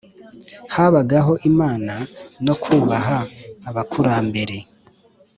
habagaho imana no kubaha abakurambere,